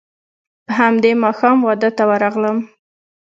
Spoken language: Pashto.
په همدې ماښام واده ته ورغلم.